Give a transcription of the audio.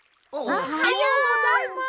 おはようございます！